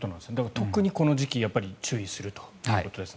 特にこの時期注意するということですね。